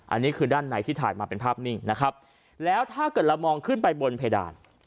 อันนี้คือด้านในที่ถ่ายมาเป็นภาพนิ่งนะครับแล้วถ้าเกิดเรามองขึ้นไปบนเพดาน